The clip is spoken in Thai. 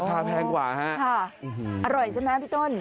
ใช่คือว่าอ๋อค่ะอร่อยใช่ไหมพี่ต้น